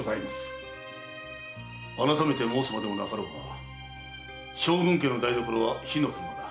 改めて申すまでもなかろうが将軍家の台所は火の車だ。